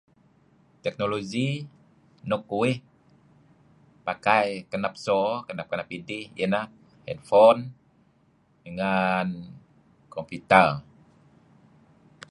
Taknologi nuk uh pakai kenep so kenap kenap idih inah handphone ngan computer.